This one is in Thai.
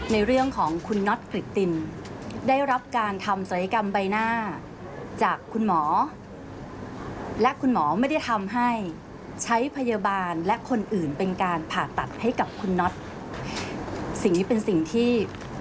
สิ่งนี้เป็นสิ่งที่